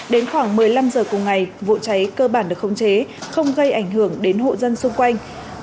đến khoảng một mươi năm h cùng ngày vụ cháy cơ bản được khống chế không gây ảnh hưởng đến hộ dân xung quanh